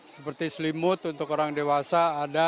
seperti selimut untuk orang dewasa ada